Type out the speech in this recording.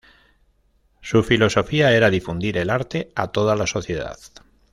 Su filosofía era difundir al arte a toda la sociedad.